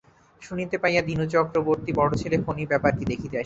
শুনিতে পাইয়া দীনু চক্রবর্তী বড় ছেলে ফণী ব্যাপার কি দেখিতে আসিল।